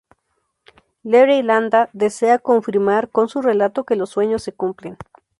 Leire Landa desea confirmar con su relato que "los sueños se cumplen".